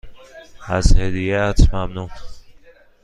از هدیهات ممنونم.